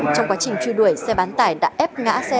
trong quá trình truy đuổi xe bán tải đã ép ngã xe